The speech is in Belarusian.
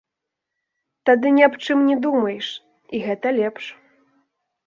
Тады ні аб чым не думаеш, і гэта лепш.